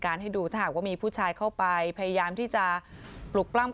ให้ดูถ้าหากว่ามีผู้ชายเข้าไปพยายามที่จะปลุกปล้ำ